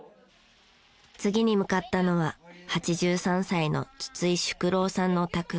次に向かったのは８３歳の筒井淑郎さんのお宅。